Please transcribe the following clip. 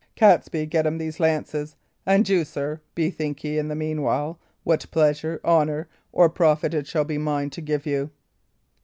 Catesby, get him these lances; and you, sir, bethink ye, in the meanwhile, what pleasure, honour, or profit it shall be mine to give you."